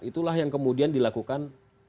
itulah yang kemudian dilakukan